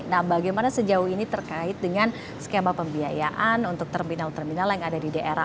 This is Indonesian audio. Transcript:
nah bagaimana sejauh ini terkait dengan skema pembiayaan untuk terminal terminal yang ada di daerah